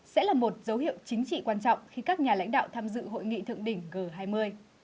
sẽ là một dấu hiệu chính trị quan trọng khi các nhà lãnh đạo tham dự hội nghị thượng đỉnh g hai mươi